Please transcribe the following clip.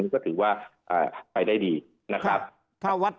ก็ถือว่าไปได้ดีนะครับ